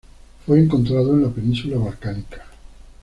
Fue encontrado en la península Balcánica.